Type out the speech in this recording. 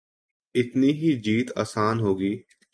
اتنی ہی جیت آسان ہو گی۔